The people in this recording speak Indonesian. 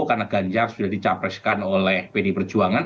karena ganjar sudah dicapreskan oleh pdi perjuangan